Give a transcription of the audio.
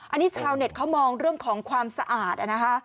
อันนี้ชาวเน็ตเขามองเรื่องของความสะอาดนะคะ